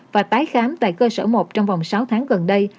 và tái khám tại cơ sở một trong vòng sáu tháng gần đây